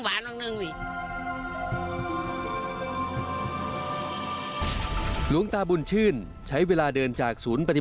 หลวงตาบุญชื่นใช้เวลาเดินจากศูนย์ปฏิบัติ